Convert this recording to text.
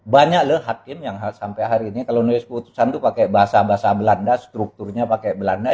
banyak loh hakim yang sampai hari ini kalau nulis putusan itu pakai bahasa bahasa belanda strukturnya pakai belanda